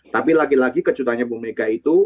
tapi lagi lagi kejutannya bu mega itu